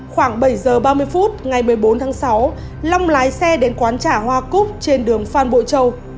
khoảng bảy giờ ba mươi phút ngày một mươi bốn tháng sáu long lái xe đến quán trà hoa cúc trên đường phan bội châu